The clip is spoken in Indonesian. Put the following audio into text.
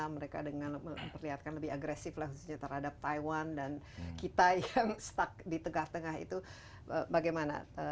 mereka dengan memperlihatkan lebih agresif lah khususnya terhadap taiwan dan kita yang stuck di tengah tengah itu bagaimana